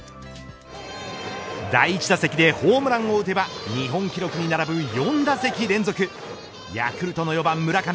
第１打席でホームランを打てば日本記録に並ぶ４打席連続ヤクルトの４番村上。